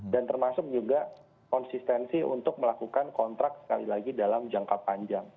dan termasuk juga konsistensi untuk melakukan kontrak sekali lagi dalam jangka panjang